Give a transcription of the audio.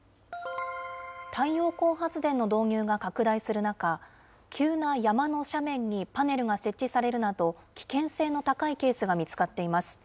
太陽光発電の導入が拡大する中、急な山の斜面にパネルが設置されるなど危険性の高いケースが見つかっています。